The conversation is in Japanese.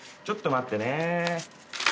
ちょっと待ってね。